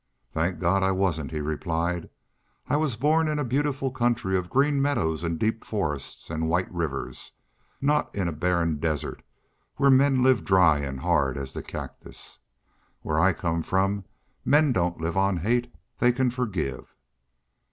"Thank God I wasn't!" he replied. "I was born in a beautiful country of green meadows and deep forests and white rivers, not in a barren desert where men live dry and hard as the cactus. Where I come from men don't live on hate. They can forgive."